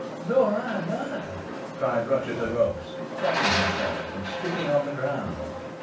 "Naw ey noather," cried Ruchot o' Roaph's, crossing himself, and spitting on the ground.